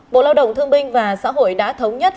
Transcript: bộ lao động thương binh và xã hội đã thống nhất